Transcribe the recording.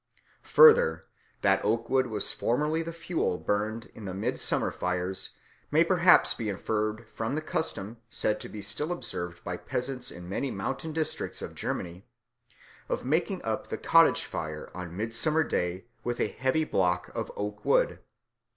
Further, that oak wood was formerly the fuel burned in the midsummer fires may perhaps be inferred from the custom, said to be still observed by peasants in many mountain districts of Germany, of making up the cottage fire on Midsummer Day with a heavy block of oak wood.